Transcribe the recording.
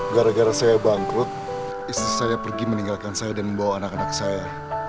gara gara saya bangkrut istri saya pergi meninggalkan saya dan membawa anak anak saya